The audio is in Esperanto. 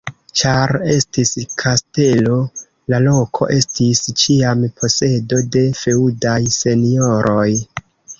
Ĉar estis kastelo, la loko estis ĉiam posedo de feŭdaj senjoroj.